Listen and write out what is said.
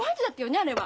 あれは。